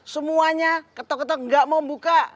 semuanya ketok ketok nggak mau buka